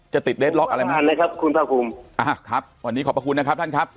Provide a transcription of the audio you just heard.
จะติดเรสล็อกอะไรไหมครับอ่าครับวันนี้ขอบพระคุณนะครับท่านครับ